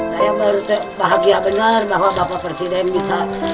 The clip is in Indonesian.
saya baru terbahagia benar bahwa bapak presiden bisa berjaya